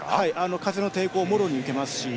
風の抵抗をもろに受けますし。